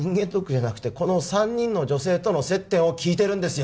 この三人の女性との接点を聞いてるんですよ